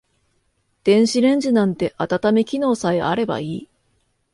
電子レンジなんて温め機能さえあればいい